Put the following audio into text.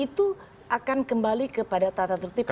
itu akan kembali kepada tata tertib tahun dua ribu empat belas